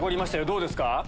どうですか？